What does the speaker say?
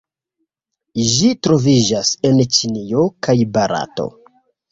Ĝi troviĝas en Ĉinio kaj Barato.